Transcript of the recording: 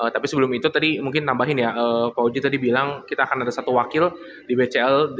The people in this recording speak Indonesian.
tapi sebelum itu tadi mungkin nambahin ya pak uji tadi bilang kita akan ada satu wakil di bcl